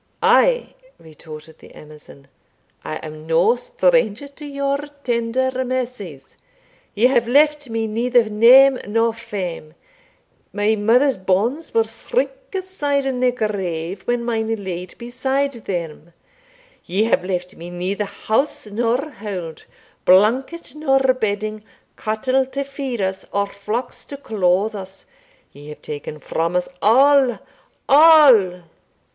"Ay," retorted the Amazon, "I am no stranger to your tender mercies. Ye have left me neither name nor fame my mother's bones will shrink aside in their grave when mine are laid beside them Ye have left me neither house nor hold, blanket nor bedding, cattle to feed us, or flocks to clothe us Ye have taken from us all all!